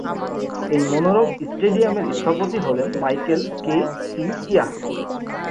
এই মনোরম স্টেডিয়ামের স্থপতি হলেন মাইকেল কে সি চিয়াহ।